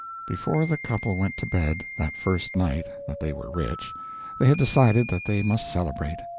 Before the couple went to bed, that first night that they were rich, they had decided that they must celebrate.